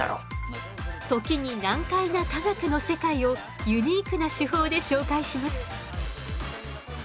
時に難解な科学の世界をユニークな手法で紹介します。